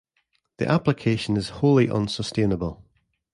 The application is wholly unsustainable.